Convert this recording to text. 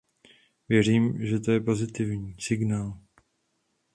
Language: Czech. Věřím, že to je pozitivní signál.